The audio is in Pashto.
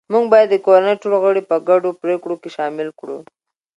موږ باید د کورنۍ ټول غړي په ګډو پریکړو کې شامل کړو